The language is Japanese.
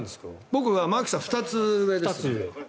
僕は槙原さん２つ上です。